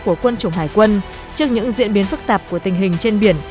của quân chủng hải quân trước những diễn biến phức tạp của tình hình trên biển